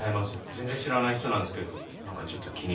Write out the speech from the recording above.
全然知らない人なんですけどなんかちょっと気になって。